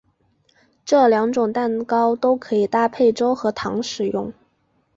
这两种蛋糕都可以搭配粥和糖食用。